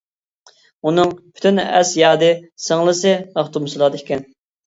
ئۇنىڭ پۈتۈن ئەس-يادى سىڭلىسى مەختۇمسۇلادا ئىكەن.